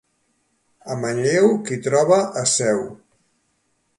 A Manlleu, qui troba és seu.